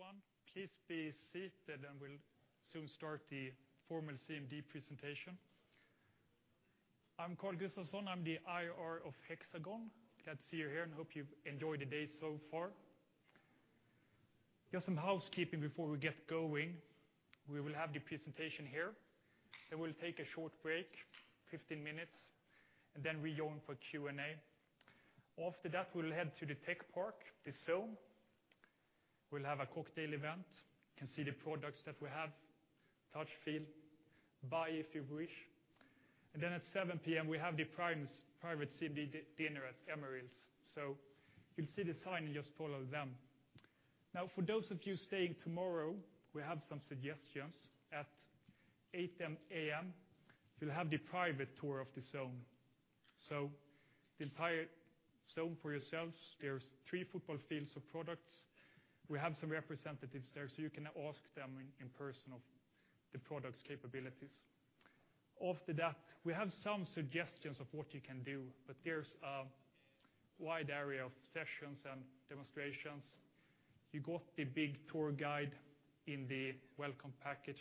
Hello, everyone. Please be seated, we'll soon start the formal CMD presentation. I'm Carl Gustafsson. I'm the IR of Hexagon. Glad to see you here, hope you've enjoyed the day so far. Just some housekeeping before we get going. We will have the presentation here. We'll take a short break, 15 minutes, then rejoin for Q&A. After that, we'll head to the tech park, the Zone. We'll have a cocktail event. You can see the products that we have, touch, feel, buy if you wish. At 7:00 P.M., we have the private CMD dinner at Emeril's. You'll see the sign, just follow them. Now, for those of you staying tomorrow, we have some suggestions. At 8:00 A.M., you'll have the private tour of the Zone. The entire Zone for yourselves. There are three football fields of products. We have some representatives there, you can ask them in person of the product's capabilities. After that, we have some suggestions of what you can do, there's a wide array of sessions and demonstrations. You got the big tour guide in the welcome package.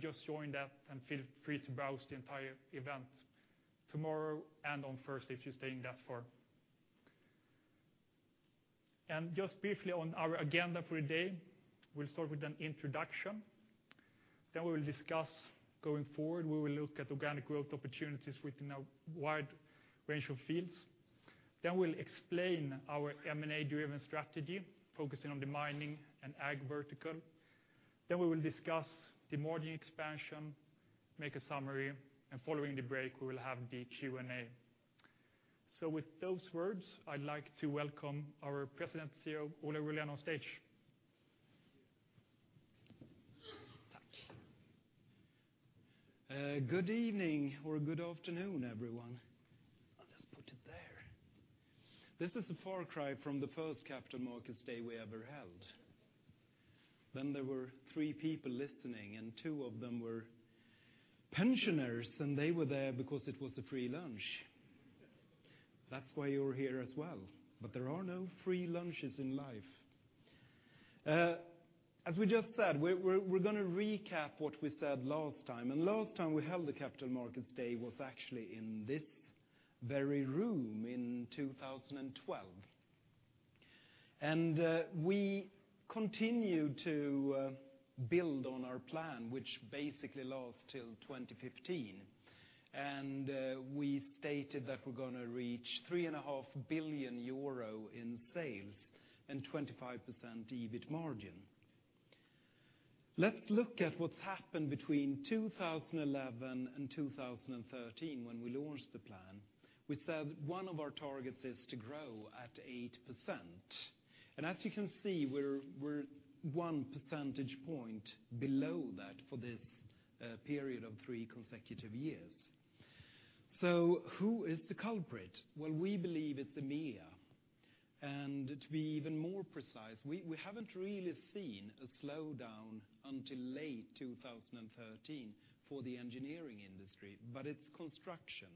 Just join that and feel free to browse the entire event tomorrow and on Thursday, if you're staying that far. Just briefly on our agenda for the day, we'll start with an introduction. We will discuss going forward. We will look at organic growth opportunities within a wide range of fields. We'll explain our M&A-driven strategy, focusing on the mining and ag vertical. We will discuss the margin expansion, make a summary, following the break, we will have the Q&A. With those words, I'd like to welcome our President and CEO, Ola Rollén, on stage. Thank you. Good evening or good afternoon, everyone. I'll just put it there. This is a far cry from the first Capital Markets Day we ever held. There were three people listening, two of them were pensioners, they were there because it was a free lunch. That's why you're here as well, there are no free lunches in life. As we just said, we're going to recap what we said last time. Last time we held a Capital Markets Day was actually in this very room in 2012. We continued to build on our plan, which basically lasts till 2015, we stated that we're going to reach 3.5 billion euro in sales and 25% EBIT margin. Let's look at what's happened between 2011 and 2013 when we launched the plan. We said one of our targets is to grow at 8%, as you can see, we're 1 percentage point below that for this period of three consecutive years. Who is the culprit? Well, we believe it's EMEA. To be even more precise, we haven't really seen a slowdown until late 2013 for the engineering industry, it's construction.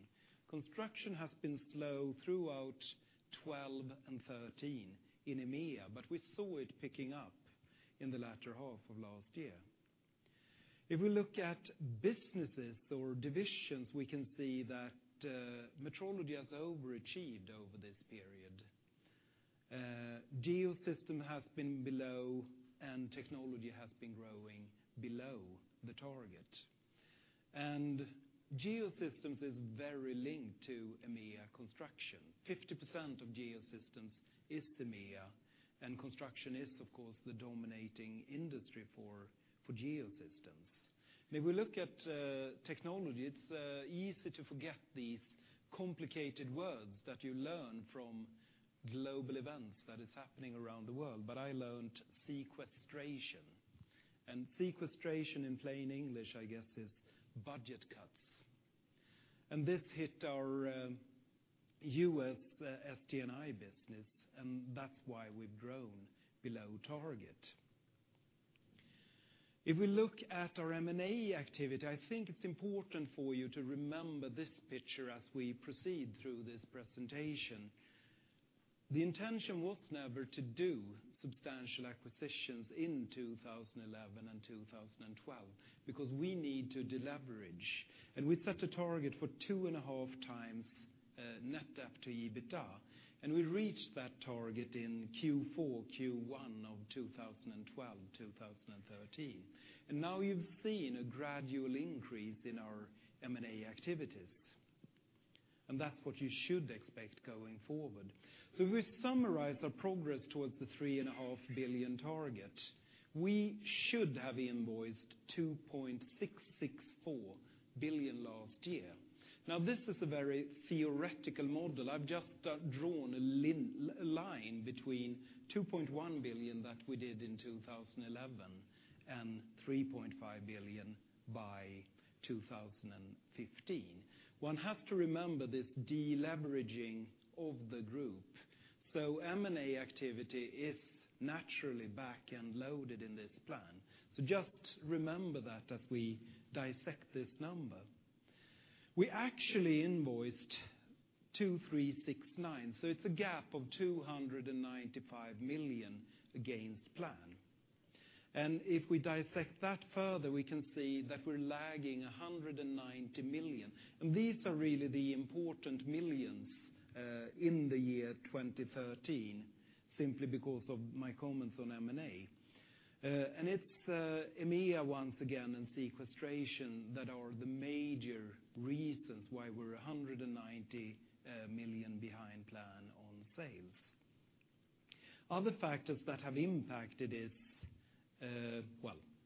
Construction has been slow throughout 2012 and 2013 in EMEA, we saw it picking up in the latter half of last year. If we look at businesses or divisions, we can see that metrology has overachieved over this period. Geosystems has been below, technology has been growing below the target. Geosystems is very linked to EMEA construction. 50% of Geosystems is EMEA, construction is, of course, the dominating industry for Geosystems. If we look at technology, it's easy to forget these complicated words that you learn from global events that is happening around the world, but I learned sequestration. Sequestration in plain English, I guess, is budget cuts. This hit our U.S. SD&I business, and that's why we've grown below target. If we look at our M&A activity, I think it's important for you to remember this picture as we proceed through this presentation. The intention was never to do substantial acquisitions in 2011 and 2012 because we need to deleverage. We set a target for 2.5x net debt to EBITDA, and we reached that target in Q4, Q1 of 2012, 2013. Now you've seen a gradual increase in our M&A activities, and that's what you should expect going forward. If we summarize our progress towards the 3.5 billion target, we should have invoiced 2.664 billion last year. This is a very theoretical model. I've just drawn a line between 2.1 billion that we did in 2011 and 3.5 billion by 2015. One has to remember this deleveraging of the group. M&A activity is naturally back-end loaded in this plan. Just remember that as we dissect this number. We actually invoiced 2,369 million, so it's a gap of 295 million against plan. If we dissect that further, we can see that we're lagging 190 million. These are really the important millions in the year 2013, simply because of my comments on M&A. It's EMEA once again, and sequestration that are the major reasons why we're 190 million behind plan on sales. Other factors that have impacted it,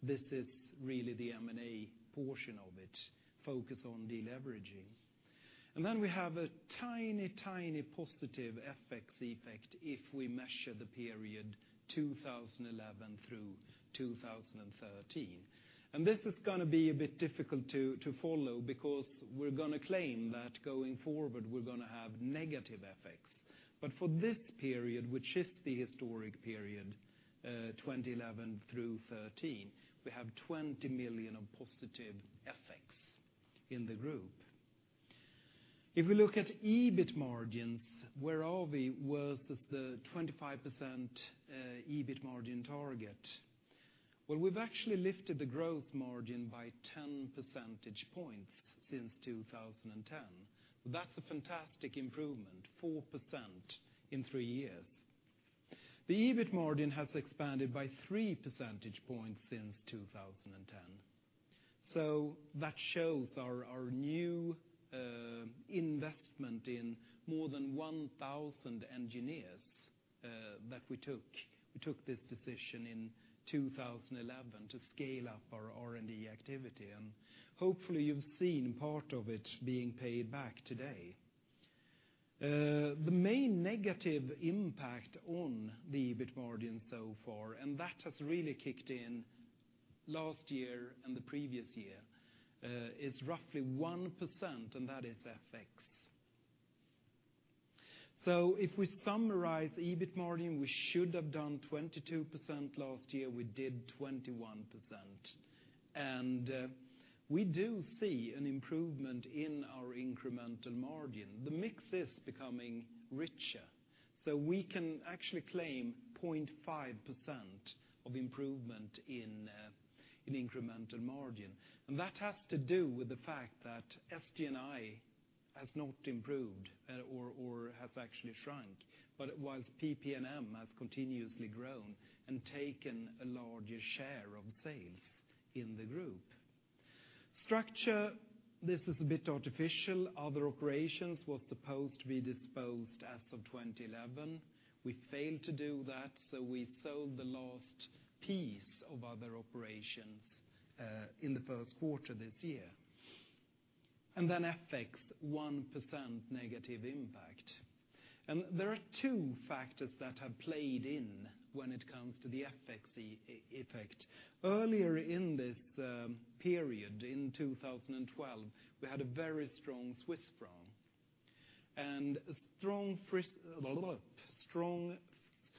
this is really the M&A portion of it, focus on deleveraging. Then we have a tiny positive FX effect if we measure the period 2011 through 2013. This is going to be a bit difficult to follow, because we're going to claim that going forward, we're going to have negative FX. For this period, which is the historic period, 2011 through 2013, we have 20 million of positive FX in the group. If we look at EBIT margins, where are we versus the 25% EBIT margin target? We've actually lifted the growth margin by 10 percentage points since 2010. That's a fantastic improvement, 4% in three years. The EBIT margin has expanded by 3 percentage points since 2010. That shows our new investment in more than 1,000 engineers that we took. We took this decision in 2011 to scale up our R&D activity, and hopefully you've seen part of it being paid back today. The main negative impact on the EBIT margin so far, that has really kicked in last year and the previous year, is roughly 1%, and that is FX. If we summarize the EBIT margin, we should have done 22% last year, we did 21%. We do see an improvement in our incremental margin. The mix is becoming richer, so we can actually claim 0.5% of improvement in incremental margin. That has to do with the fact that SD&I has not improved or has actually shrunk. Whilst PP&M has continuously grown and taken a larger share of sales in the group. Structure, this is a bit artificial. Other operations was supposed to be disposed as of 2011. We failed to do that. We sold the last piece of other operations in the first quarter this year. FX, 1% negative impact. There are two factors that have played in when it comes to the FX effect. Earlier in this period, in 2012, we had a very strong Swiss franc. A strong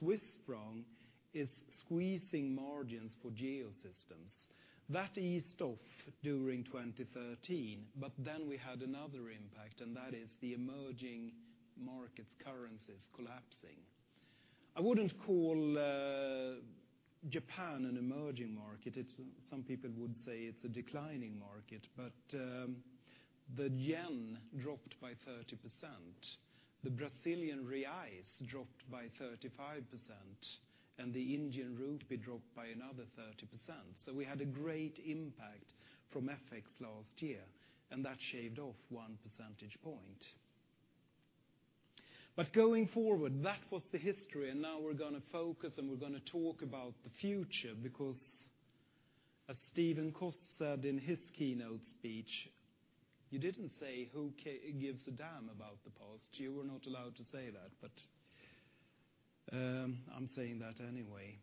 Swiss franc is squeezing margins for Geosystems. That eased off during 2013. We had another impact, and that is the emerging markets currencies collapsing. I wouldn't call Japan an emerging market. Some people would say it's a declining market, but the JPY dropped by 30%. The BRL dropped by 35%, and the INR dropped by another 30%. We had a great impact from FX last year, and that shaved off 1 percentage point. Going forward, that was the history. Now we're going to focus and we're going to talk about the future, because as Steven Cost said in his keynote speech, you didn't say, "Who gives a damn about the past?" You were not allowed to say that, but I'm saying that anyway.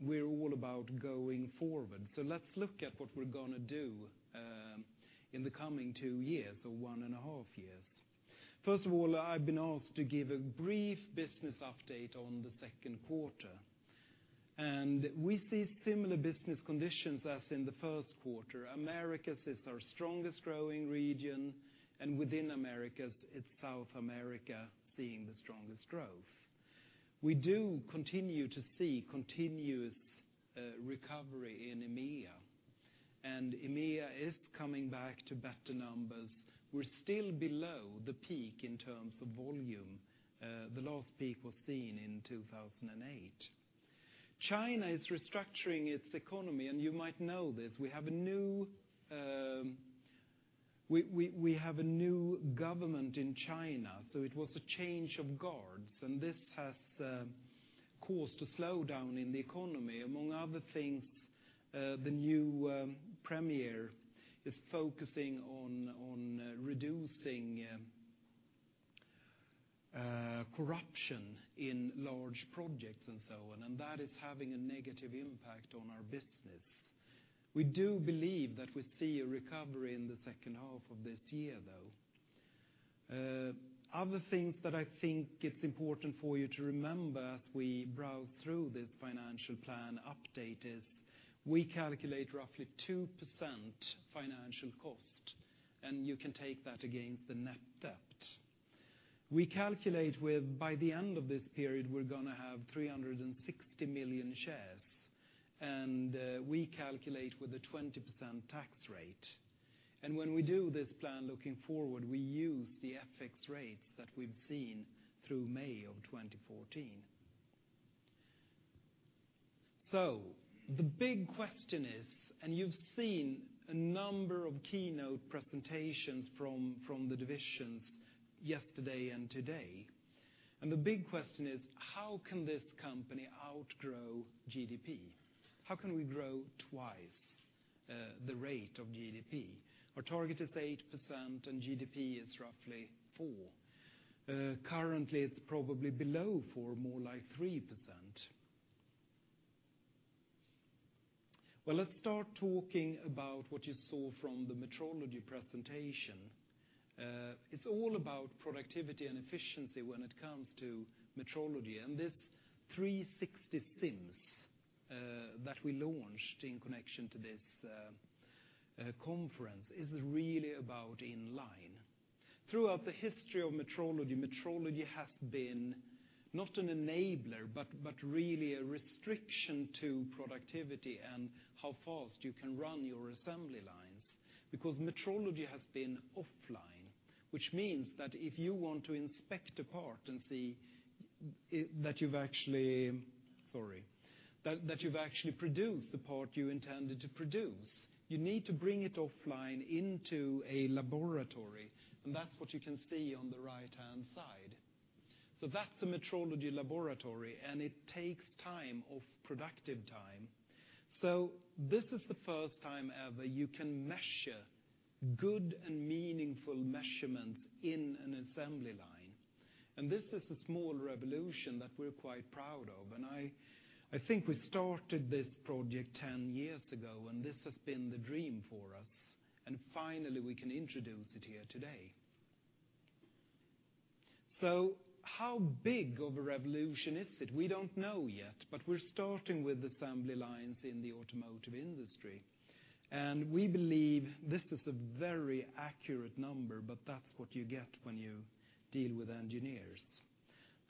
We're all about going forward. Let's look at what we're going to do in the coming two years, or one and a half years. First of all, I've been asked to give a brief business update on the second quarter. We see similar business conditions as in the first quarter. Americas is our strongest growing region, and within Americas, it's South America seeing the strongest growth. We do continue to see continuous recovery in EMEA, and EMEA is coming back to better numbers. We're still below the peak in terms of volume. The last peak was seen in 2008. China is restructuring its economy. You might know this. We have a new government in China. It was a change of guards. This has caused a slowdown in the economy. Among other things, the new premier is focusing on reducing corruption in large projects and so on. That is having a negative impact on our business. We do believe that we see a recovery in the second half of this year, though. Other things that I think it's important for you to remember as we browse through this financial plan update is we calculate roughly 2% financial cost, and you can take that against the net debt. We calculate by the end of this period, we're going to have 360 million shares, and we calculate with a 20% tax rate. When we do this plan looking forward, we use the FX rates that we've seen through May of 2014. The big question is, you've seen a number of keynote presentations from the divisions yesterday and today. The big question is: how can this company outgrow GDP? How can we grow twice the rate of GDP? Our target is 8%, and GDP is roughly 4%. Currently, it's probably below 4%, more like 3%. Let's start talking about what you saw from the Metrology presentation. It's all about productivity and efficiency when it comes to metrology. This 360° SIMS that we launched in connection to this conference is really about inline. Throughout the history of metrology has been not an enabler, but really a restriction to productivity and how fast you can run your assembly lines, because metrology has been offline. Which means that if you want to inspect a part and see that you've actually produced the part you intended to produce, you need to bring it offline into a laboratory. That's what you can see on the right-hand side. That's the metrology laboratory, and it takes time off productive time. This is the first time ever you can measure good and meaningful measurements in an assembly line. This is a small revolution that we're quite proud of. I think we started this project 10 years ago, and this has been the dream for us. Finally, we can introduce it here today. How big of a revolution is it? We don't know yet, but we're starting with assembly lines in the automotive industry. We believe this is a very accurate number, but that's what you get when you deal with engineers.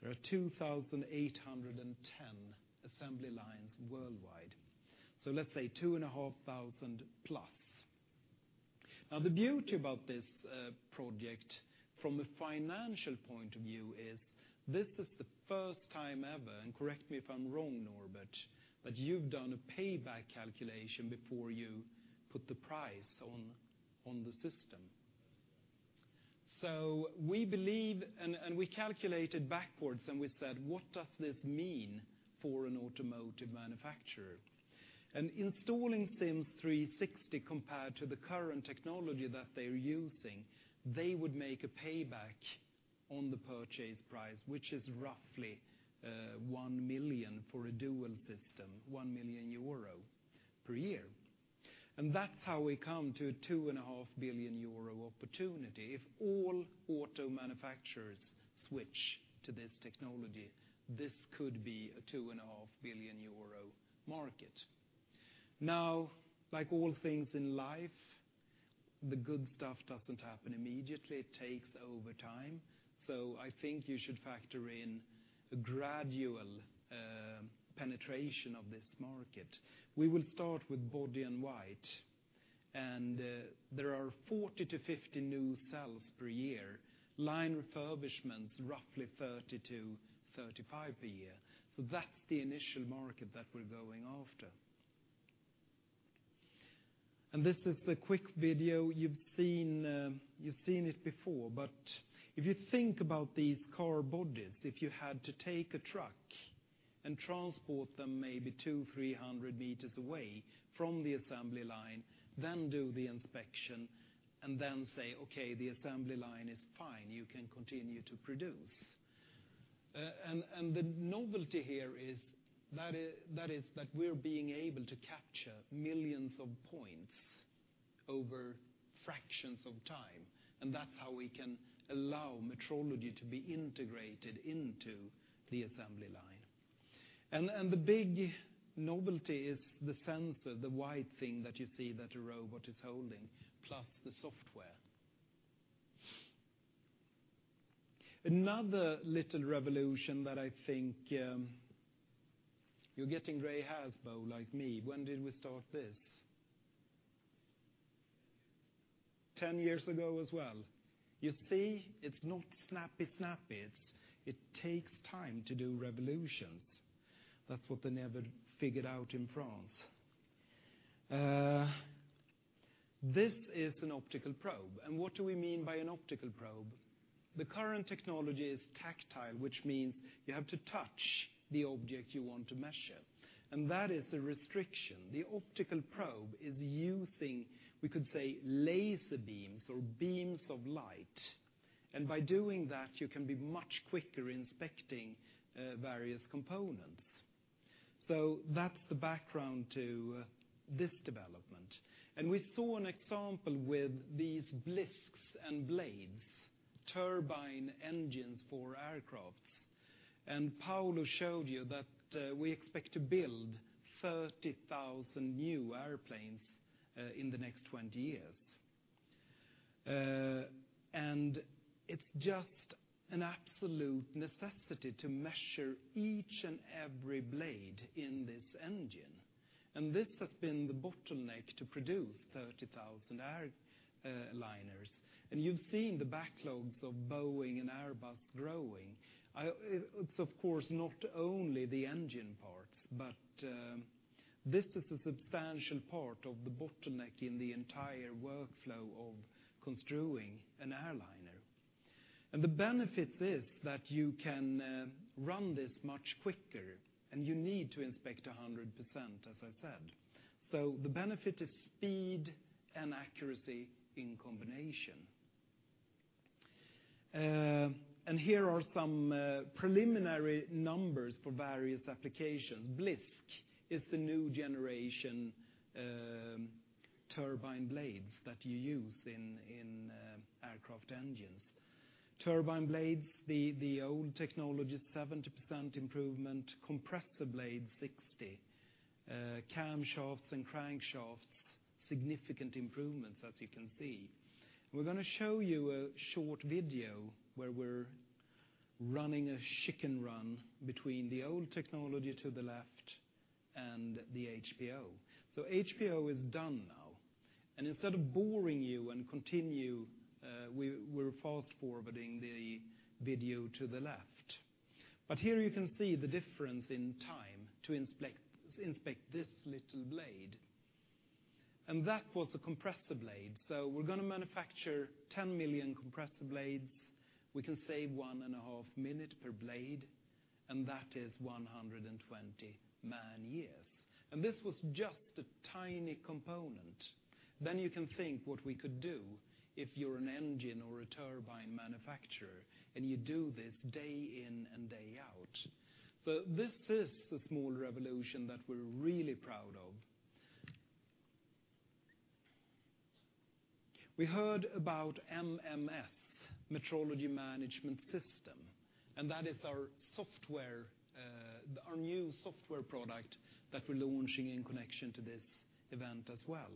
There are 2,810 assembly lines worldwide. Let's say 2,500+. The beauty about this project from a financial point of view is this is the first time ever, and correct me if I'm wrong, Norbert, but you've done a payback calculation before you put the price on the system. We believe, and we calculated backwards, and we said, "What does this mean for an automotive manufacturer?" Installing SIMS 360 compared to the current technology that they're using, they would make a payback on the purchase price, which is roughly 1 million for a dual system, 1 million euro per year. That's how we come to a 2.5 billion euro opportunity. If all auto manufacturers switch to this technology, this could be a 2.5 billion euro market. Like all things in life, the good stuff doesn't happen immediately. It takes over time. I think you should factor in a gradual penetration of this market. We will start with body in white. There are 40-50 new cells per year. Line refurbishments, roughly 30-35 per year. That's the initial market that we're going after. This is a quick video. You've seen it before, but if you think about these car bodies, if you had to take a truck and transport them maybe 200 m, 300 m away from the assembly line, then do the inspection, and then say, "Okay, the assembly line is fine. You can continue to produce." The novelty here is that we're being able to capture millions of points over fractions of time. That's how we can allow metrology to be integrated into the assembly line. The big novelty is the sensor, the white thing that you see that a robot is holding, plus the software. Another little revolution that I think you're getting gray hairs, Bo, like me. When did we start this? 10 years ago as well. You see? It's not snappy-snappy. It takes time to do revolutions. That's what they never figured out in France. This is an optical probe. What do we mean by an optical probe? The current technology is tactile, which means you have to touch the object you want to measure. That is the restriction. The optical probe is using, we could say, laser beams or beams of light. By doing that, you can be much quicker inspecting various components. That's the background to this development. We saw an example with these blisks and blades, turbine engines for aircrafts. Paolo showed you that we expect to build 30,000 new airplanes in the next 20 years. It's just an absolute necessity to measure each and every blade in this engine. This has been the bottleneck to produce 30,000 airliners. You've seen the backlogs of Boeing and Airbus growing. It's of course not only the engine parts, but this is a substantial part of the bottleneck in the entire workflow of construing an airliner. The benefit is that you can run this much quicker, and you need to inspect 100%, as I said. The benefit is speed and accuracy in combination. Here are some preliminary numbers for various applications. blisk is the new generation turbine blades that you use in aircraft engines. Turbine blades, the old technology, 70% improvement. Compressor blades, 60%. Camshafts and crankshafts, significant improvements as you can see. We're going to show you a short video where we're running a chicken run between the old technology to the left and the HP-O. HP-O is done now. Instead of boring you and continue, we're fast-forwarding the video to the left. Here you can see the difference in time to inspect this little blade. That was a compressor blade. We're going to manufacture 10 million compressor blades. We can save one and a half minute per blade, and that is 120 man years. This was just a tiny component. You can think what we could do if you're an engine or a turbine manufacturer and you do this day in and day out. This is the small revolution that we're really proud of. We heard about MMS, Metrology Management System. That is our new software product that we're launching in connection to this event as well.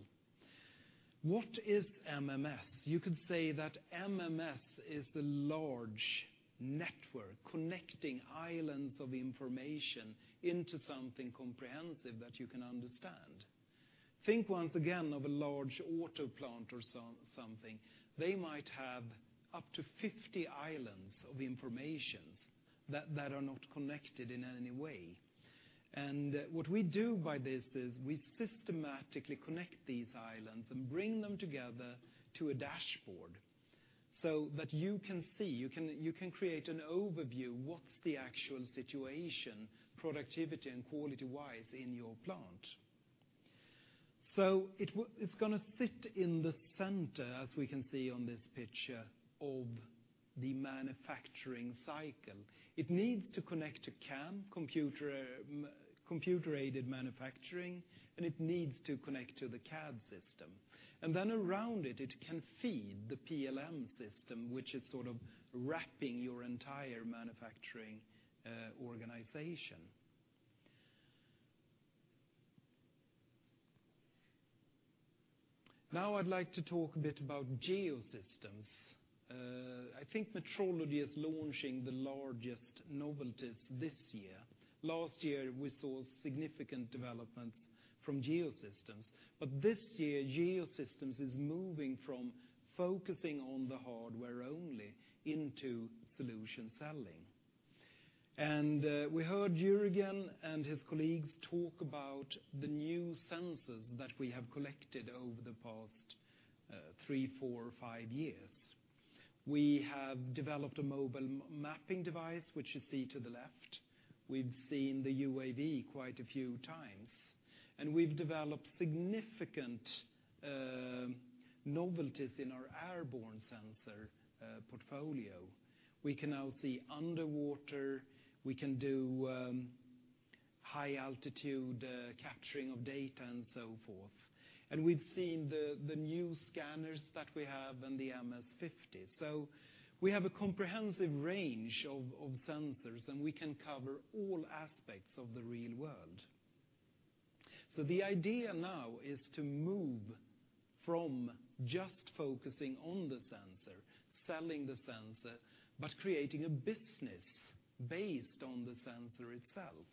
What is MMS? You could say that MMS is the large network connecting islands of information into something comprehensive that you can understand. Think once again of a large water plant or something. They might have up to 50 islands of information that are not connected in any way. What we do by this is we systematically connect these islands and bring them together to a dashboard so that you can see, you can create an overview, what's the actual situation, productivity and quality-wise, in your plant. It's going to sit in the center, as we can see on this picture, of the manufacturing cycle. It needs to connect to CAM, computer-aided manufacturing, and it needs to connect to the CAD system. Around it can feed the PLM system, which is sort of wrapping your entire manufacturing organization. Now I'd like to talk a bit about Geosystems. I think Metrology is launching the largest novelties this year. Last year, we saw significant developments from Geosystems. This year, Geosystems is moving from focusing on the hardware only into solution selling. We heard Jürgen and his colleagues talk about the new sensors that we have collected over the past three, four, or five years. We have developed a mobile mapping device, which you see to the left. We've seen the UAV quite a few times. We've developed significant novelties in our airborne sensor portfolio. We can now see underwater. We can do high altitude capturing of data and so forth. We've seen the new scanners that we have in the MS50. We have a comprehensive range of sensors, and we can cover all aspects of the real world. The idea now is to move from just focusing on the sensor, selling the sensor, but creating a business based on the sensor itself.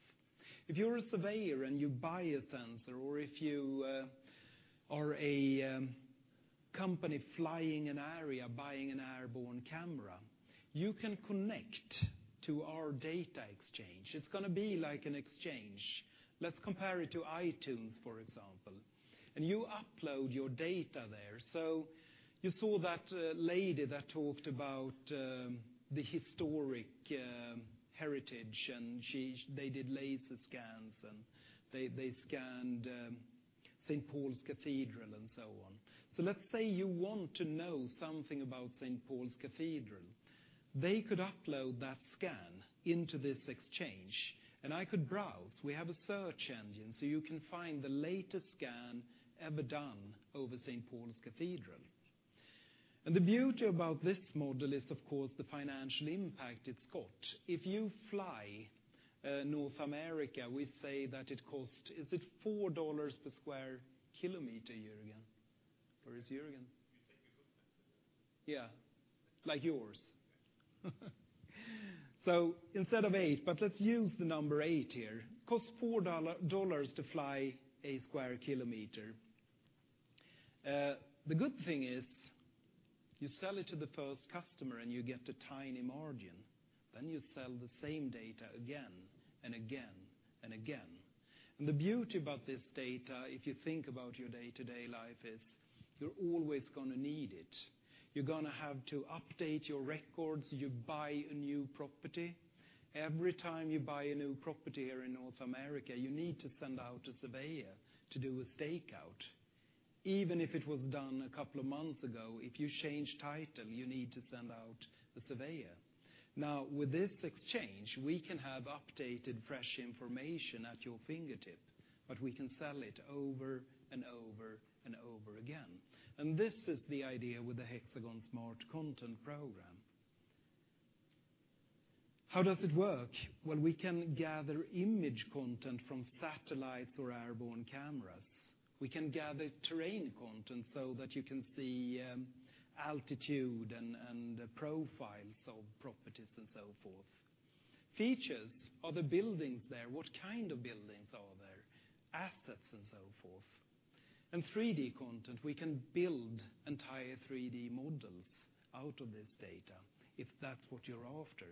If you're a surveyor and you buy a sensor, or if you are a company flying an area, buying an airborne camera, you can connect to our data exchange. It's going to be like an exchange. Let's compare it to iTunes, for example, and you upload your data there. You saw that lady that talked about the historic heritage, and they did laser scans, and they scanned St. Paul's Cathedral, and so on. Let's say you want to know something about St. Paul's Cathedral. They could upload that scan into this exchange, and I could browse. We have a search engine, so you can find the latest scan ever done over St. Paul's Cathedral. The beauty about this model is, of course, the financial impact it's got. If you fly North America, we say that it costs, is it $4 per square kilometer, Jürgen? Where is Jürgen? You take a good sense of it. Yeah. Like yours. Instead of eight, let's use the number eight here. Costs $4 to fly a square kilometer. The good thing is, you sell it to the first customer, and you get a tiny margin. You sell the same data again, and again. The beauty about this data, if you think about your day-to-day life, is you're always going to need it. You're going to have to update your records. You buy a new property. Every time you buy a new property here in North America, you need to send out a surveyor to do a stakeout. Even if it was done a couple of months ago, if you change title, you need to send out the surveyor. With this exchange, we can have updated, fresh information at your fingertip, but we can sell it over and over again. This is the idea with the HxGN Content Program. How does it work? Well, we can gather image content from satellites or airborne cameras. We can gather terrain content so that you can see altitude and the profiles of properties and so forth. Features. Are the buildings there? What kind of buildings are there? Assets and so forth. 3D content, we can build entire 3D models out of this data, if that's what you're after.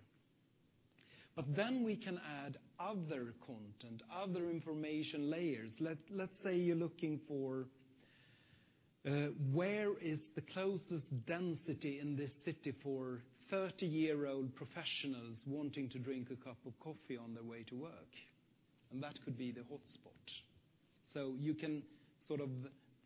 But then we can add other content, other information layers. Let's say you're looking for where is the closest density in this city for 30-year-old professionals wanting to drink a cup of coffee on their way to work, and that could be the hotspot. You can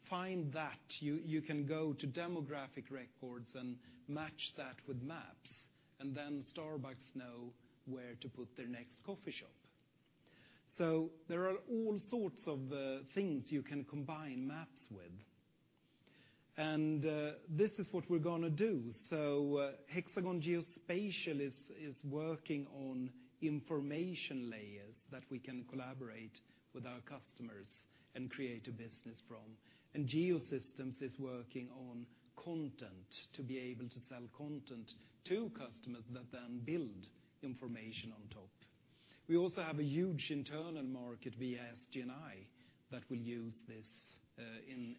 find that. You can go to demographic records and match that with maps, and then Starbucks know where to put their next coffee shop. There are all sorts of things you can combine maps with. This is what we're going to do. Hexagon Geospatial is working on information layers that we can collaborate with our customers and create a business from. Geosystems is working on content, to be able to sell content to customers that then build information on top. We also have a huge internal market via SG&I that will use this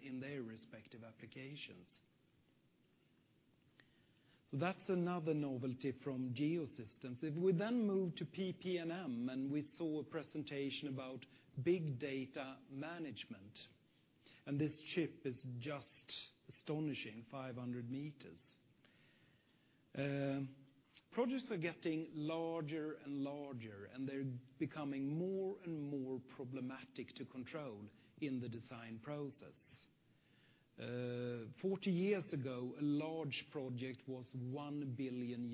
in their respective applications. That's another novelty from Geosystems. If we then move to Hexagon PPM, and we saw a presentation about big data management, and this ship is just astonishing, 500 meters. Projects are getting larger and larger, and they're becoming more and more problematic to control in the design process. 40 years ago, a large project was $1 billion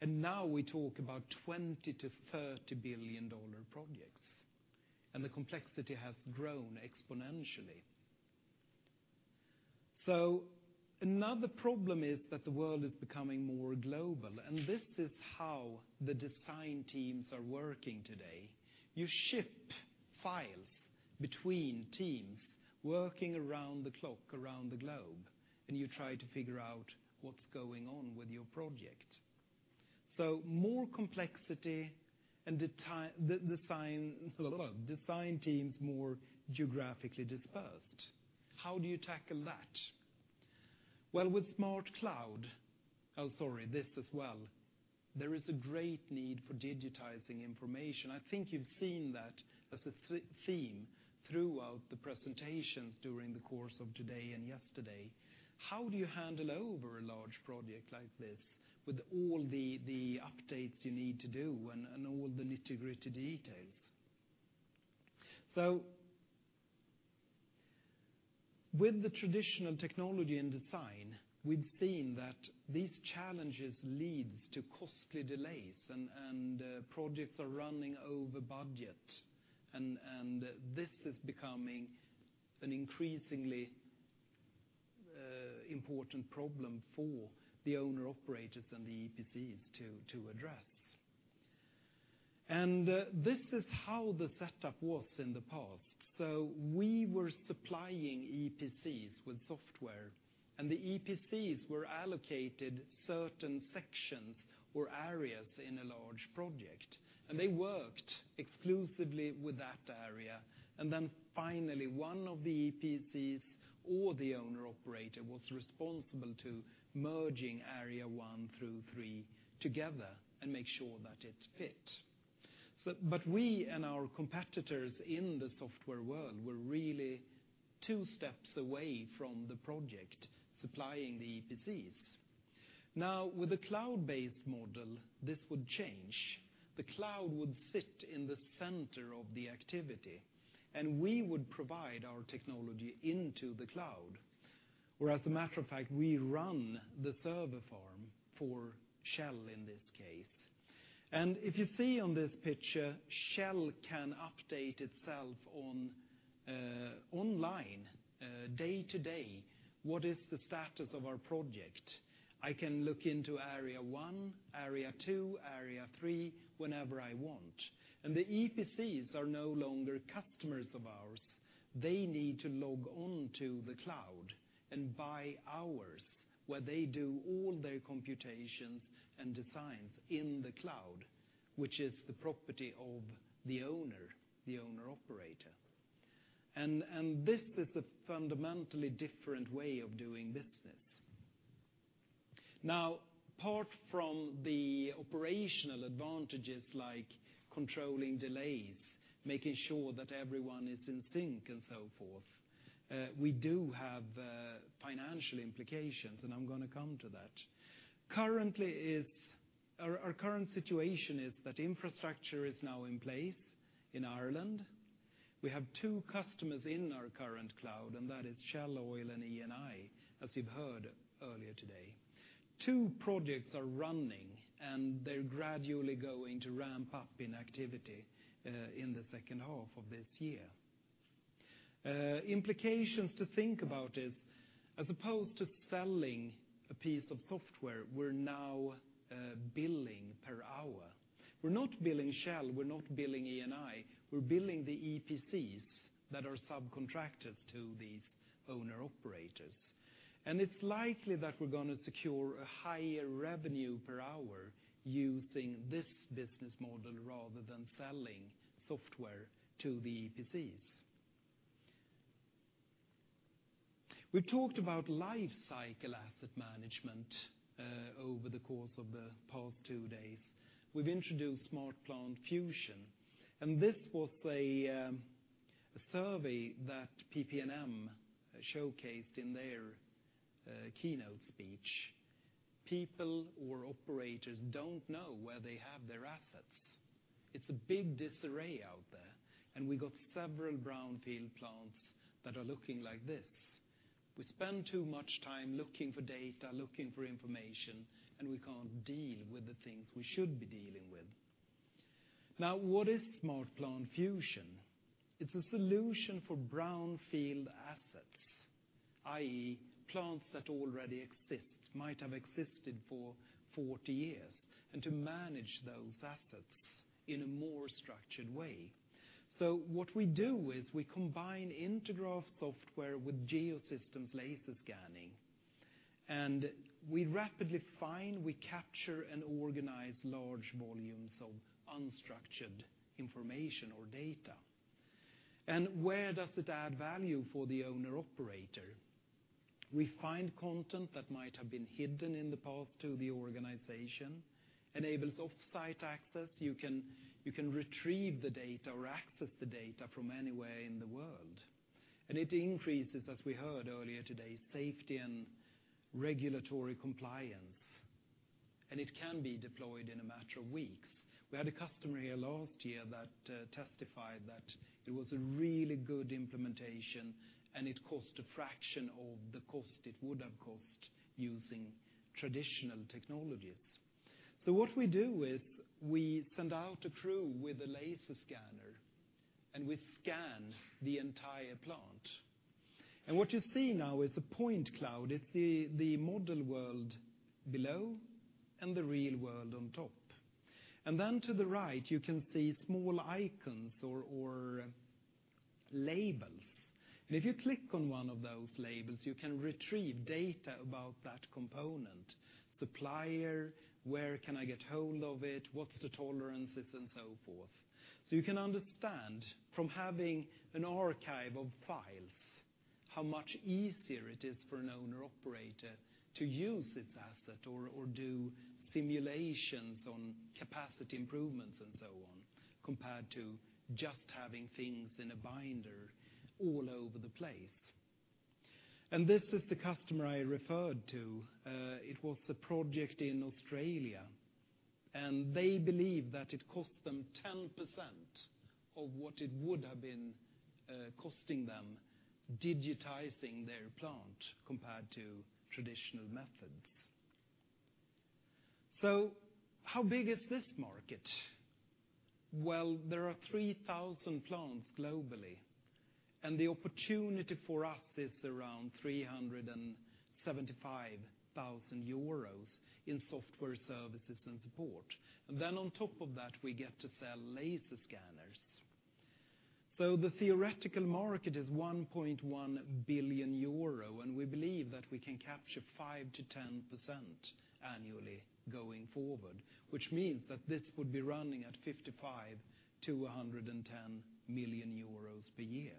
and now we talk about $20 billion-$30 billion projects, and the complexity has grown exponentially. Another problem is that the world is becoming more global, and this is how the design teams are working today. You ship files between teams working around the clock, around the globe, and you try to figure out what's going on with your project. More complexity and design teams, more geographically dispersed. How do you tackle that? Well, with SmartPlant Cloud, sorry, this as well, there is a great need for digitizing information. I think you've seen that as a theme throughout the presentations during the course of today and yesterday. How do you handle over a large project like this with all the updates you need to do and all the nitty-gritty details? With the traditional technology and design, we've seen that these challenges lead to costly delays, and projects are running over budget. This is becoming an increasingly important problem for the owner-operators and the EPCs to address. This is how the setup was in the past. We were supplying EPCs with software, and the EPCs were allocated certain sections or areas in a large project, and they worked exclusively with that area. Then finally, one of the EPCs or the owner-operator was responsible to merging area one through three together and make sure that it fit. We and our competitors in the software world were really two steps away from the project supplying the EPCs. With the cloud-based model, this would change. The cloud would sit in the center of the activity, and we would provide our technology into the cloud. Where, as a matter of fact, we run the server farm for Shell in this case. If you see on this picture, Shell can update itself online, day-to-day, what is the status of our project? I can look into area 1, area 2, area 3, whenever I want. The EPCs are no longer customers of ours. They need to log on to the cloud and buy hours, where they do all their computations and designs in the cloud, which is the property of the owner, the owner/operator. This is a fundamentally different way of doing business. Now, apart from the operational advantages like controlling delays, making sure that everyone is in sync, and so forth, we do have financial implications, and I'm going to come to that. Our current situation is that infrastructure is now in place in Ireland. We have two customers in our current cloud, and that is Shell Oil and Eni, as you've heard earlier today. Two projects are running, and they're gradually going to ramp up in activity, in the second half of this year. Implications to think about is, as opposed to selling a piece of software, we're now billing per hour. We're not billing Shell, we're not billing Eni, we're billing the EPCs that are subcontractors to these owner operators. It's likely that we're going to secure a higher revenue per hour using this business model rather than selling software to the EPCs. We've talked about lifecycle asset management, over the course of the past two days. We've introduced SmartPlant Fusion. This was a survey that Hexagon PPM showcased in their keynote speech. People or operators don't know where they have their assets. It's a big disarray out there. We got several brownfield plants that are looking like this. We spend too much time looking for data, looking for information, and we can't deal with the things we should be dealing with. Now, what is SmartPlant Fusion? It's a solution for brownfield assets, i.e., plants that already exist, might have existed for 40 years, to manage those assets in a more structured way. What we do is we combine Intergraph software with Geosystems laser scanning, and we rapidly find, we capture, and organize large volumes of unstructured information or data. Where does it add value for the owner/operator? We find content that might have been hidden in the past to the organization, enables offsite access. You can retrieve the data or access the data from anywhere in the world. It increases, as we heard earlier today, safety and regulatory compliance. It can be deployed in a matter of weeks. We had a customer here last year that testified that it was a really good implementation, and it cost a fraction of the cost it would have cost using traditional technologies. What we do is we send out a crew with a laser scanner, and we scan the entire plant. What you see now is a point cloud. It's the model world below and the real world on top. Then to the right, you can see small icons or labels. If you click on one of those labels, you can retrieve data about that component, supplier, where can I get hold of it, what's the tolerances, and so forth. You can understand from having an archive of files, how much easier it is for an owner/operator to use this asset or do simulations on capacity improvements and so on, compared to just having things in a binder all over the place. This is the customer I referred to. It was a project in Australia, and they believe that it cost them 10% of what it would have been costing them digitizing their plant compared to traditional methods. How big is this market? There are 3,000 plants globally, and the opportunity for us is around 375,000 euros in software services and support. Then on top of that, we get to sell laser scanners. The theoretical market is 1.1 billion euro, and we believe that we can capture 5%-10% annually going forward, which means that this would be running at 55 million-110 million euros per year.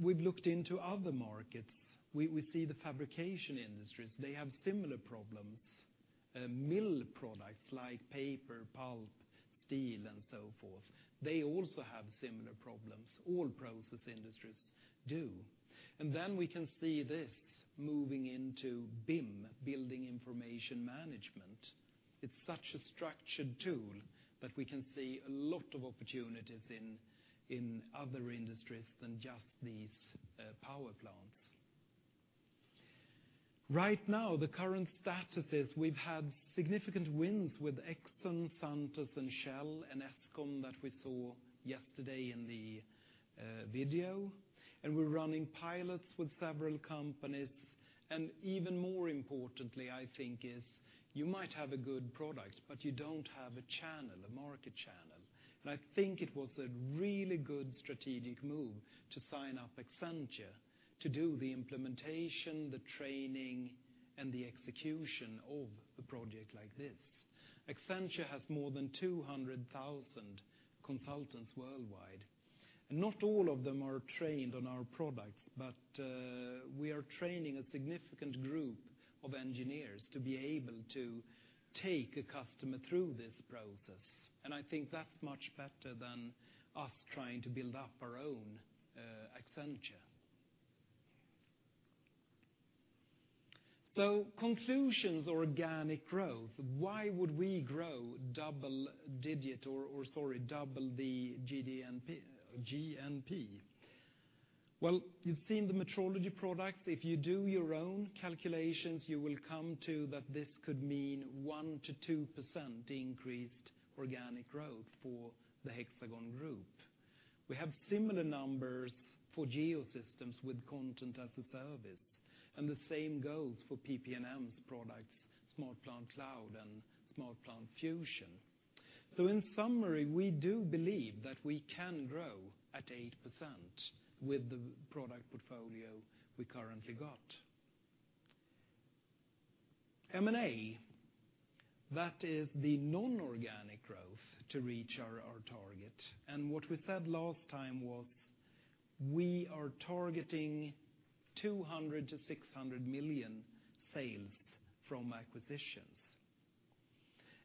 We've looked into other markets. We see the fabrication industries. They have similar problems. A mill product, like paper, pulp, steel, and so forth. They also have similar problems. All process industries do. Then we can see this moving into BIM, building information management. It's such a structured tool that we can see a lot of opportunities in other industries than just these power plants. Right now, the current status is we've had significant wins with Exxon, Santos, and Shell, and Eskom that we saw yesterday in the video, we're running pilots with several companies. Even more importantly, I think is, you might have a good product, but you don't have a channel, a market channel. I think it was a really good strategic move to sign up Accenture to do the implementation, the training, and the execution of a project like this. Accenture has more than 200,000 consultants worldwide, not all of them are trained on our products, but we are training a significant group of engineers to be able to take a customer through this process. I think that's much better than us trying to build up our own Accenture. Conclusions, organic growth. Why would we grow double-digit or, sorry, double the GNP? You've seen the Metrology product. If you do your own calculations, you will come to that this could mean 1%-2% increased organic growth for the Hexagon Group. We have similar numbers for Geosystems with content as a service, and the same goes for PP&M's products, SmartPlant Cloud and SmartPlant Fusion. In summary, we do believe that we can grow at 8% with the product portfolio we currently got. M&A, that is the non-organic growth to reach our target, and what we said last time was we are targeting 200 million-600 million sales from acquisitions.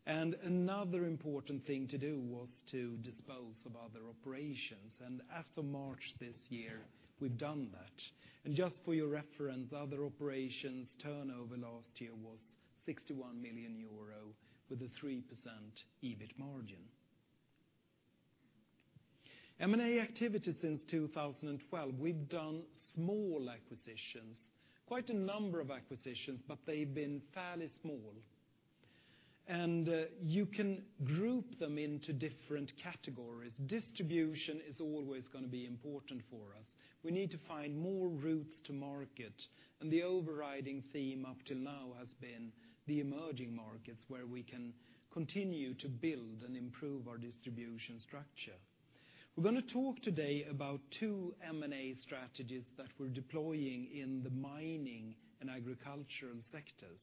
Another important thing to do was to dispose of other operations. After March this year, we've done that. Just for your reference, other operations turnover last year was 61 million euro with a 3% EBIT margin. M&A activity since 2012, we've done small acquisitions, quite a number of acquisitions, but they've been fairly small, and you can group them into different categories. Distribution is always going to be important for us. We need to find more routes to market, the overriding theme up till now has been the emerging markets where we can continue to build and improve our distribution structure. We're going to talk today about two M&A strategies that we're deploying in the mining and agricultural sectors.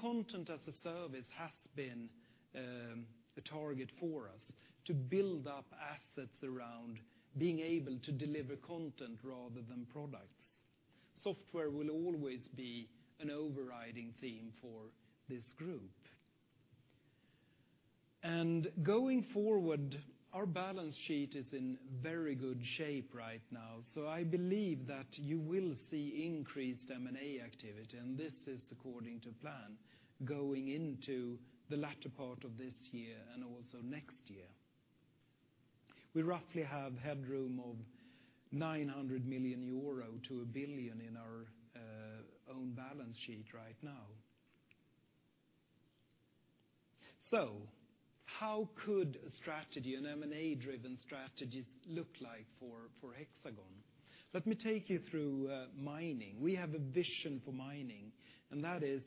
Content as a service has been a target for us to build up assets around being able to deliver content rather than product. Software will always be an overriding theme for this group. Going forward, our balance sheet is in very good shape right now. I believe that you will see increased M&A activity, and this is according to plan, going into the latter part of this year and also next year. We roughly have headroom of 900 million euro to 1 billion in our own balance sheet right now. How could a strategy, an M&A-driven strategy look like for Hexagon? Let me take you through mining. We have a vision for mining, that is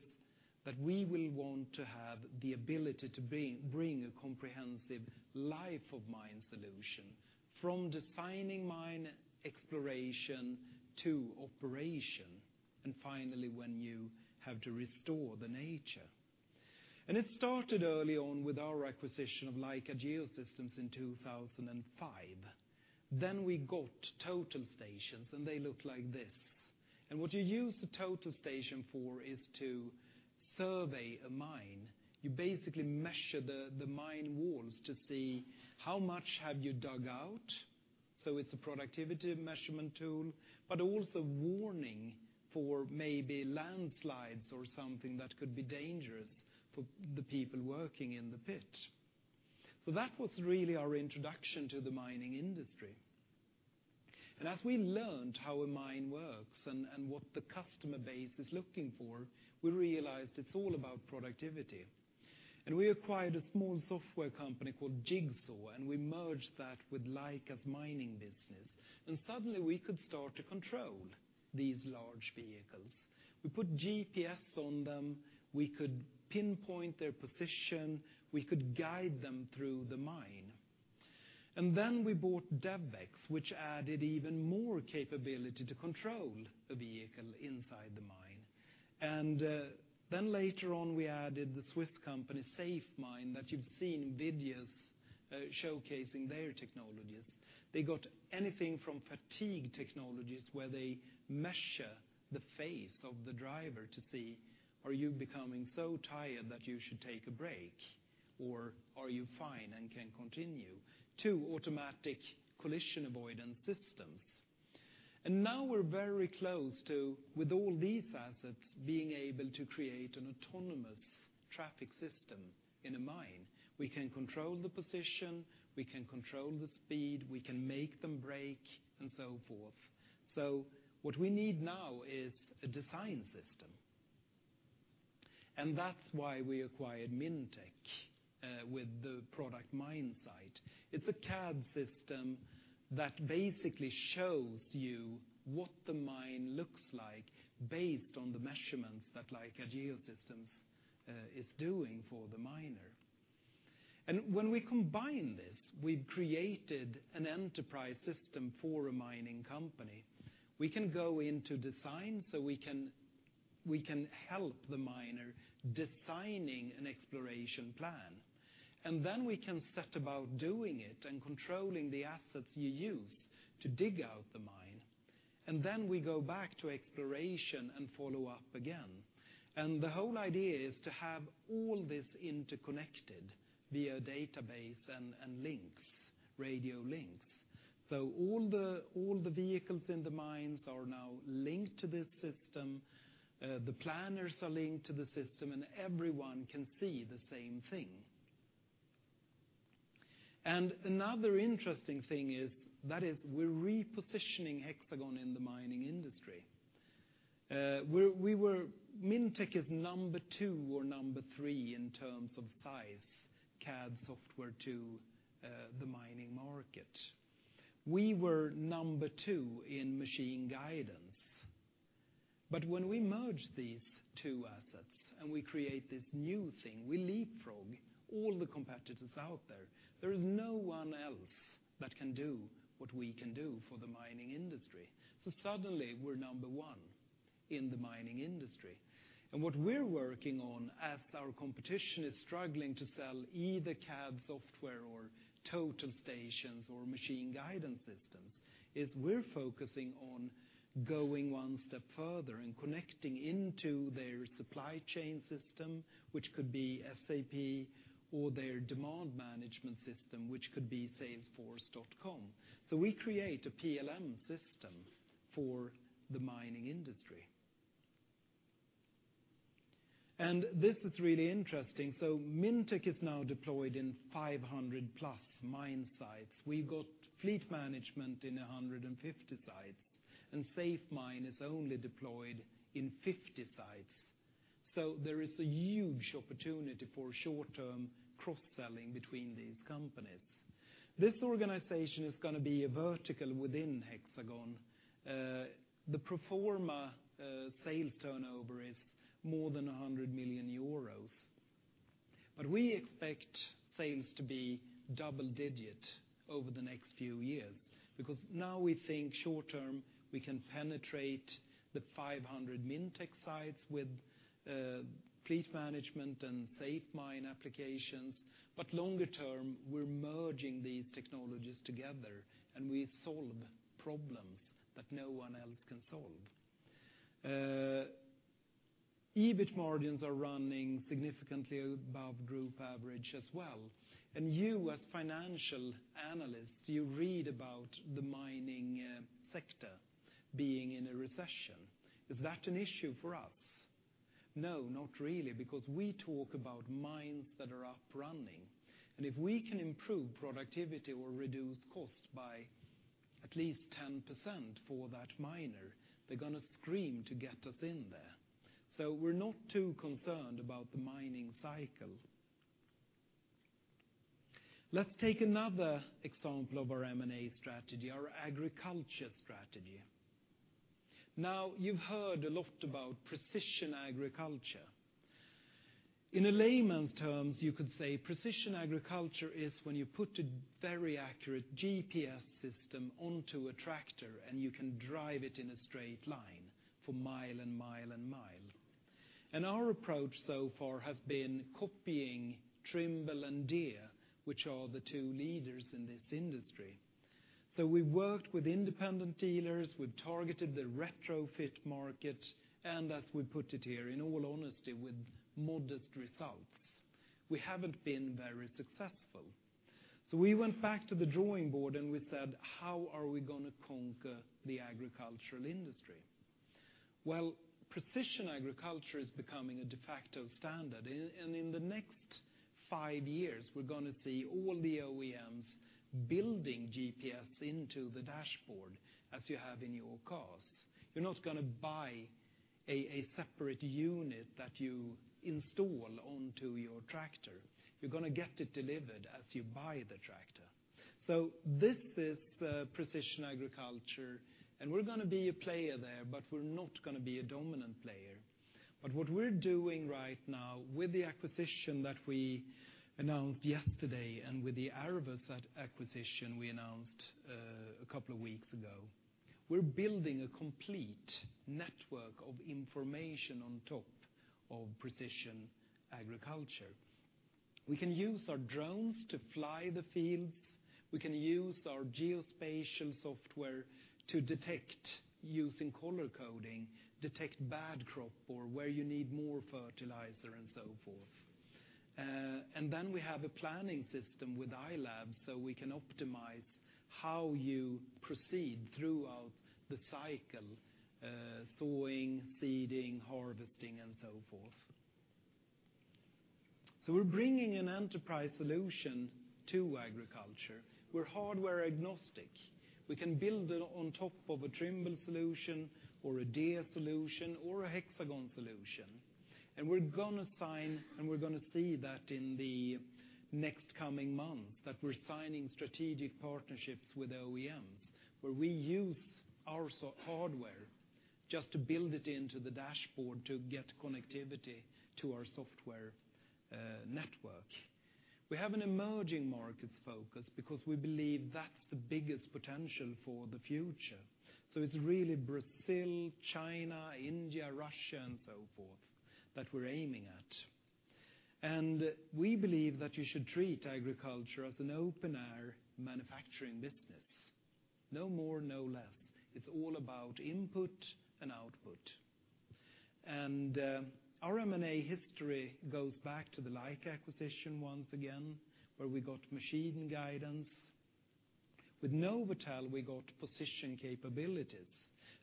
that we will want to have the ability to bring a comprehensive life of mine solution from designing mine exploration to operation, and finally, when you have to restore the nature. It started early on with our acquisition of Leica Geosystems in 2005. We got total stations, they look like this. What you use the total station for is to survey a mine. You basically measure the mine walls to see how much have you dug out. It's a productivity measurement tool, but also warning for maybe landslides or something that could be dangerous for the people working in the pit. That was really our introduction to the mining industry. As we learned how a mine works and what the customer base is looking for, we realized it's all about productivity. We acquired a small software company called Jigsaw, and we merged that with Leica's mining business. Suddenly we could start to control these large vehicles. We put GPS on them. We could pinpoint their position. We could guide them through the mine. We bought Devex, which added even more capability to control a vehicle inside the mine. Later on, we added the Swiss company, SAFEmine, that you've seen videos showcasing their technologies. They got anything from fatigue technologies, where they measure the face of the driver to see are you becoming so tired that you should take a break, or are you fine and can continue, to automatic collision avoidance systems. Now we're very close to, with all these assets, being able to create an autonomous traffic system in a mine. We can control the position, we can control the speed, we can make them break, and so forth. What we need now is a design system. That's why we acquired Mintec with the product MineSight. It's a CAD system that basically shows you what the mine looks like based on the measurements that a Geosystems is doing for the miner. When we combine this, we've created an enterprise system for a mining company. We can go into design, so we can help the miner designing an exploration plan. We can set about doing it and controlling the assets you use to dig out the mine. We go back to exploration and follow up again. The whole idea is to have all this interconnected via database and links, radio links. All the vehicles in the mines are now linked to this system, the planners are linked to the system, and everyone can see the same thing. Another interesting thing is that we're repositioning Hexagon in the mining industry. Mintec is number two or number three in terms of size, CAD software to the mining market. We were number two in machine guidance. When we merge these two assets and we create this new thing, we leapfrog all the competitors out there. There is no one else that can do what we can do for the mining industry. Suddenly, we're number 1 in the mining industry. What we're working on, as our competition is struggling to sell either CAD software or total stations or machine guidance systems, is we're focusing on going one step further and connecting into their supply chain system, which could be SAP, or their demand management system, which could be salesforce.com. We create a PLM system for the mining industry. This is really interesting. Mintec is now deployed in 500+ mine sites. We've got fleet management in 150 sites, and SAFEmine is only deployed in 50 sites. There is a huge opportunity for short-term cross-selling between these companies. This organization is going to be a vertical within Hexagon. The pro forma sales turnover is more than 100 million euros. We expect sales to be double-digit over the next few years, because now we think short term we can penetrate the 500 Mintec sites with fleet management and SAFEmine applications. Longer term, we're merging these technologies together, and we solve problems that no one else can solve. EBIT margins are running significantly above group average as well. You, as financial analysts, you read about the mining sector being in a recession. Is that an issue for us? No, not really, because we talk about mines that are up running. If we can improve productivity or reduce cost by at least 10% for that miner, they're going to scream to get us in there. We're not too concerned about the mining cycle. Let's take another example of our M&A strategy, our agriculture strategy. You've heard a lot about precision agriculture. In a layman's terms, you could say precision agriculture is when you put a very accurate GPS system onto a tractor, you can drive it in a straight line for mile and mile and mile. Our approach so far has been copying Trimble and Deere, which are the two leaders in this industry. We've worked with independent dealers, we've targeted the retrofit market, as we put it here, in all honesty, with modest results. We haven't been very successful. We went back to the drawing board and we said, "How are we going to conquer the agricultural industry?" Precision agriculture is becoming a de facto standard. In the next five years, we're going to see all the OEMs building GPS into the dashboard as you have in your cars. You're not going to buy a separate unit that you install onto your tractor. You're going to get it delivered as you buy the tractor. This is the precision agriculture, and we're going to be a player there, we're not going to be a dominant player. What we're doing right now with the acquisition that we announced yesterday and with the Arvus acquisition we announced a couple of weeks ago, we're building a complete network of information on top of precision agriculture. We can use our drones to fly the fields. We can use our geospatial software to detect, using color coding, detect bad crop or where you need more fertilizer and so forth. We have a planning system with iLab, we can optimize how you proceed throughout the cycle, sowing, seeding, harvesting, and so forth. We're bringing an enterprise solution to agriculture. We're hardware agnostic. We can build it on top of a Trimble solution or a Deere solution or a Hexagon solution. We're going to sign, and we're going to see that in the next coming months, that we're signing strategic partnerships with OEMs, where we use our hardware just to build it into the dashboard to get connectivity to our software network. We have an emerging markets focus because we believe that's the biggest potential for the future. It's really Brazil, China, India, Russia, and so forth that we're aiming at. We believe that you should treat agriculture as an open air manufacturing business. No more, no less. It's all about input and output. Our M&A history goes back to the Leica acquisition once again, where we got machine guidance. With NovAtel, we got position capabilities.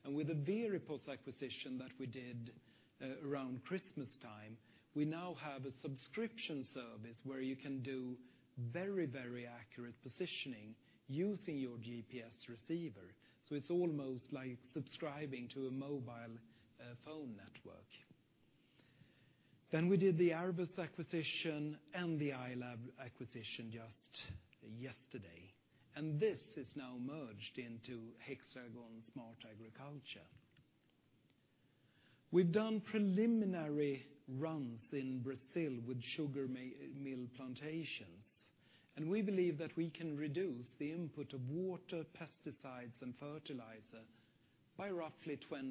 With the Veripos acquisition that we did around Christmas time, we now have a subscription service where you can do very accurate positioning using your GPS receiver. It's almost like subscribing to a mobile phone network. We did the Arvus acquisition and the iLab acquisition just yesterday, this is now merged into Hexagon Smart Agriculture. We've done preliminary runs in Brazil with sugar mill plantations, we believe that we can reduce the input of water, pesticides, and fertilizer by roughly 20%.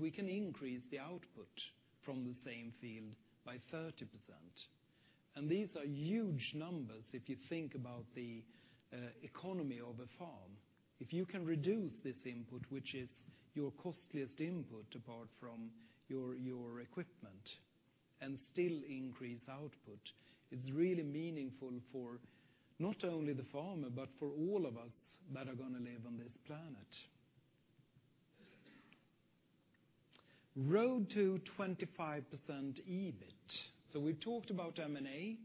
We can increase the output from the same field by 30%. These are huge numbers if you think about the economy of a farm. If you can reduce this input, which is your costliest input apart from your equipment, and still increase output, it's really meaningful for not only the farmer, but for all of us that are going to live on this planet. Road to 25% EBIT. We've talked about M&A,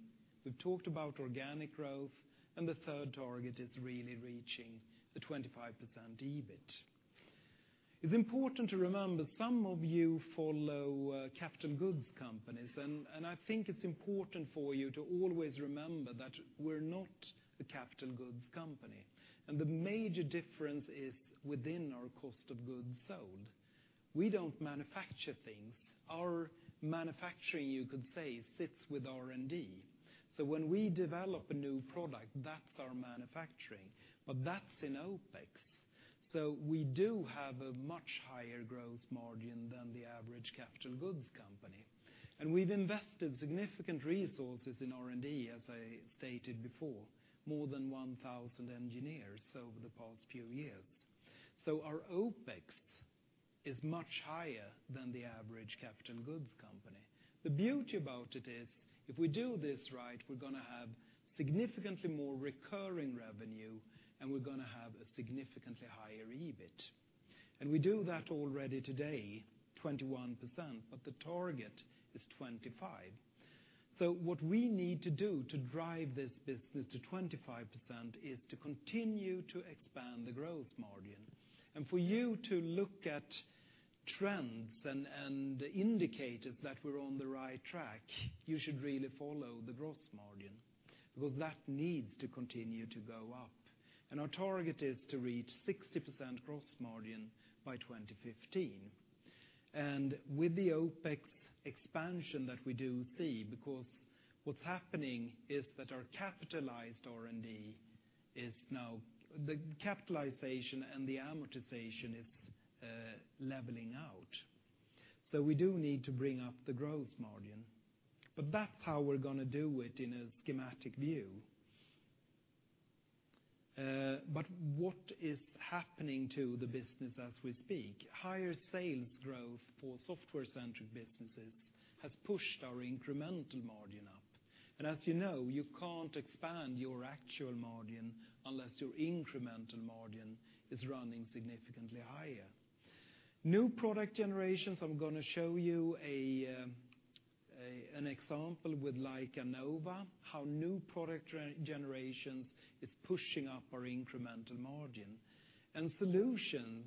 we've talked about organic growth, the third target is really reaching the 25% EBIT. It's important to remember some of you follow capital goods companies, I think it's important for you to always remember that we're not a capital goods company. The major difference is within our cost of goods sold. We don't manufacture things. Our manufacturing, you could say, sits with R&D. When we develop a new product, that's our manufacturing, but that's in OpEx. We do have a much higher gross margin than the average capital goods company. We've invested significant resources in R&D, as I stated before, more than 1,000 engineers over the past few years. Our OpEx is much higher than the average capital goods company. The beauty about it is, if we do this right, we're going to have significantly more recurring revenue, and we're going to have a significantly higher EBIT. We do that already today, 21%, but the target is 25%. What we need to do to drive this business to 25% is to continue to expand the gross margin. For you to look at trends and indicators that we're on the right track, you should really follow the gross margin, because that needs to continue to go up. Our target is to reach 60% gross margin by 2015. With the OpEx expansion that we do see, because what's happening is that our capitalized R&D is now, the capitalization and the amortization is leveling out. We do need to bring up the gross margin. That's how we're going to do it in a schematic view. What is happening to the business as we speak? Higher sales growth for software-centric businesses has pushed our incremental margin up. As you know, you can't expand your actual margin unless your incremental margin is running significantly higher. New product generations, I'm going to show you an example with Leica Nova, how new product generations is pushing up our incremental margin. Solutions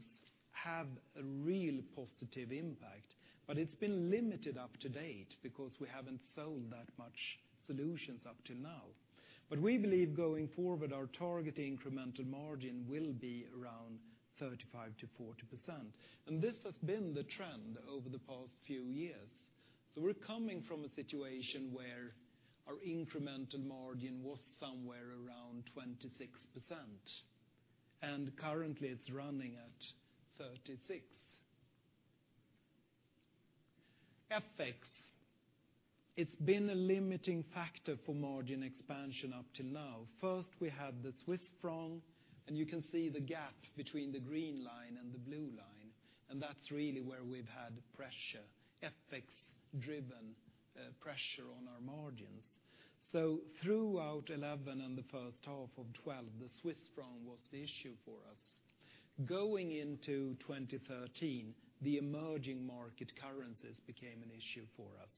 have a real positive impact, but it's been limited up to date because we haven't sold that much solutions up till now. We believe going forward, our target incremental margin will be around 35%-40%. This has been the trend over the past few years. We're coming from a situation where our incremental margin was somewhere around 26%. Currently, it's running at 36%. FX. It's been a limiting factor for margin expansion up till now. First, we had the Swiss franc, you can see the gap between the green line and the blue line, that's really where we've had pressure, FX-driven pressure on our margins. Throughout 2011 and the first half of 2012, the Swiss franc was the issue for us. Going into 2013, the emerging market currencies became an issue for us.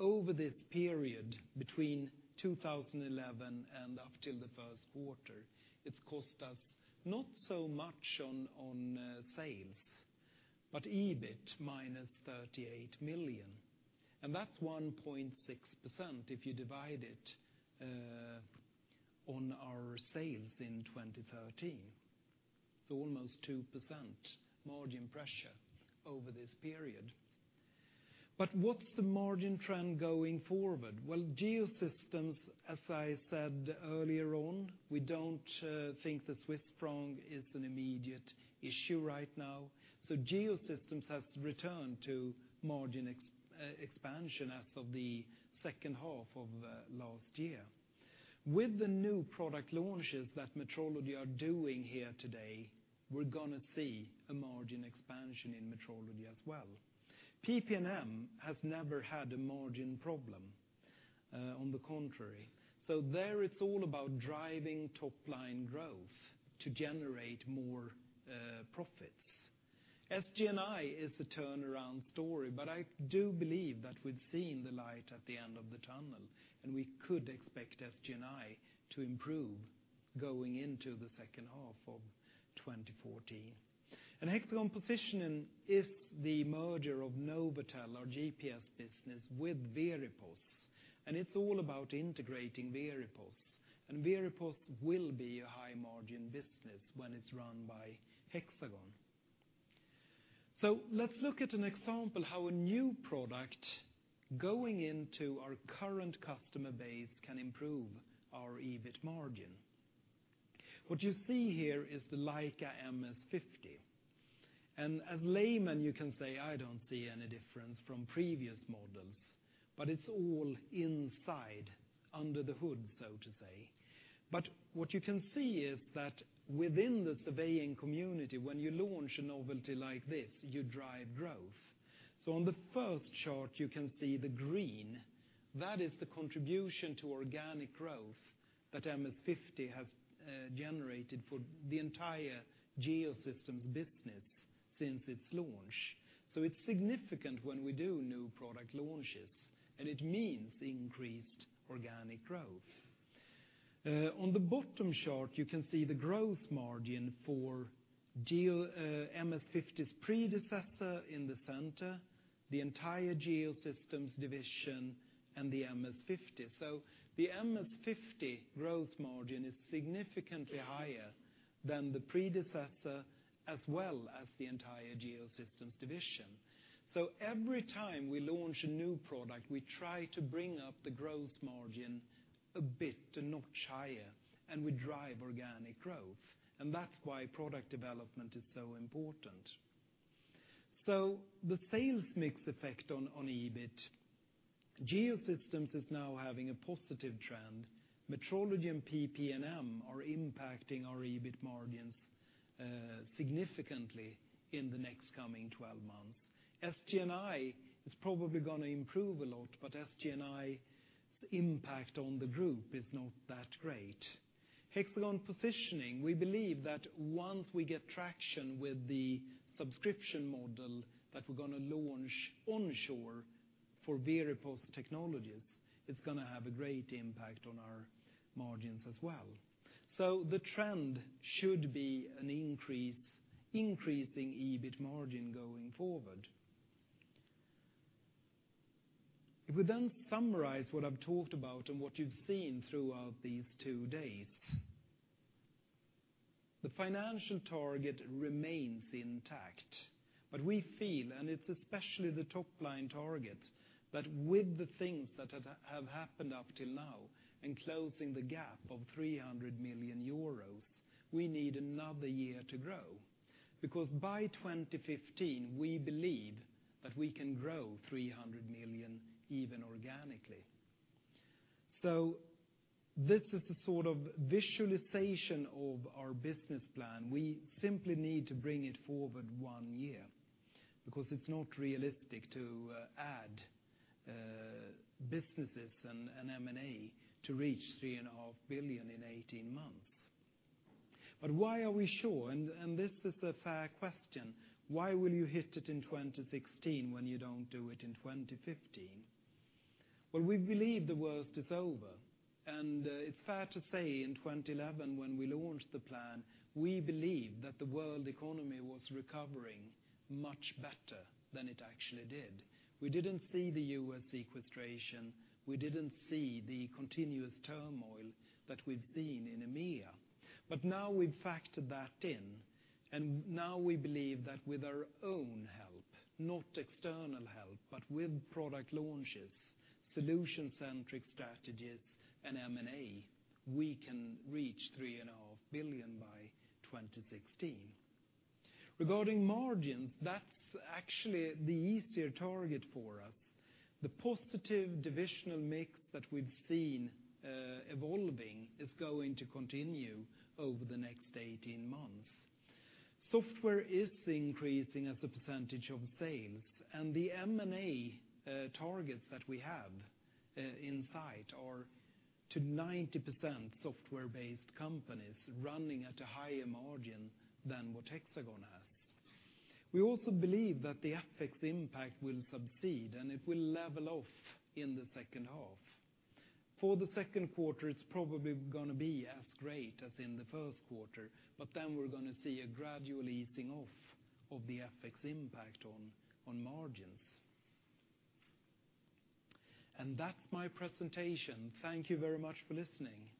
Over this period, between 2011 and up till the first quarter, it's cost us, not so much on sales, but EBIT minus 38 million. That's 1.6% if you divide it on our sales in 2013. It's almost 2% margin pressure over this period. What's the margin trend going forward? Well, Geosystems, as I said earlier on, we don't think the Swiss franc is an immediate issue right now. Geosystems has returned to margin expansion as of the second half of last year. With the new product launches that Metrology are doing here today, we're going to see a margin expansion in Metrology as well. PP&M has never had a margin problem, on the contrary. There, it's all about driving top-line growth to generate more profits. SG&I is a turnaround story, but I do believe that we've seen the light at the end of the tunnel, we could expect SG&I to improve going into the second half of 2014. Hexagon Positioning is the merger of NovAtel, our GPS business, with Veripos, and it's all about integrating Veripos. Veripos will be a high margin business when it's run by Hexagon. Let's look at an example how a new product going into our current customer base can improve our EBIT margin. What you see here is the Leica MS50. As layman, you can say, "I don't see any difference from previous models," but it's all inside, under the hood, so to say. What you can see is that within the surveying community, when you launch a novelty like this, you drive growth. On the first chart, you can see the green. That is the contribution to organic growth that MS50 has generated for the entire Geosystems business since its launch. It's significant when we do new product launches, and it means increased organic growth. On the bottom chart, you can see the gross margin for MS50's predecessor in the center, the entire Geosystems division, and the MS50. The MS50 gross margin is significantly higher than the predecessor as well as the entire Geosystems division. Every time we launch a new product, we try to bring up the gross margin a bit, a notch higher, and we drive organic growth. That's why product development is so important. The sales mix effect on EBIT. Geosystems is now having a positive trend. Metrology and PP&M are impacting our EBIT margins significantly in the next coming 12 months. SG&I is probably going to improve a lot, but SG&I's impact on the group is not that great. Hexagon Positioning, we believe that once we get traction with the subscription model that we're going to launch onshore for Veripos technologies, it's going to have a great impact on our margins as well. The trend should be an increasing EBIT margin going forward. If we summarize what I've talked about and what you've seen throughout these two days, the financial target remains intact. We feel, and it's especially the top-line target, that with the things that have happened up till now in closing the gap of 300 million euros, we need another year to grow. By 2015, we believe that we can grow 300 million even organically. This is a sort of visualization of our business plan. We simply need to bring it forward one year, because it's not realistic to add businesses and M&A to reach 3.5 billion in 18 months. Why are we sure? This is a fair question. Why will you hit it in 2016 when you don't do it in 2015? We believe the worst is over. It's fair to say in 2011, when we launched the plan, we believed that the world economy was recovering much better than it actually did. We didn't see the U.S. sequestration. We didn't see the continuous turmoil that we've seen in EMEA. Now we've factored that in, and now we believe that with our own help, not external help, but with product launches, solution-centric strategies, and M&A, we can reach 3.5 billion by 2016. Regarding margins, that's actually the easier target for us. The positive divisional mix that we've seen evolving is going to continue over the next 18 months. Software is increasing as a percentage of sales. The M&A targets that we have in sight are to 90% software-based companies running at a higher margin than what Hexagon has. We also believe that the FX impact will subside, and it will level off in the second half. For the second quarter, it's probably going to be as great as in the first quarter, but then we're going to see a gradual easing off of the FX impact on margins. That's my presentation. Thank you very much for listening.